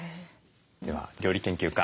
では料理研究家